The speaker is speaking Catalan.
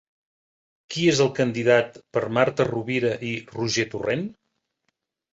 Qui és el candidat per Marta Rovira i Roger Torrent?